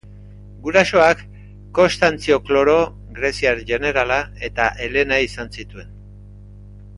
Gurasoak Konstantzio Kloro, greziar jenerala, eta Helena izan zituen.